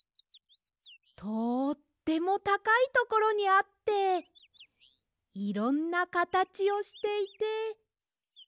とってもたかいところにあっていろんなかたちをしていて。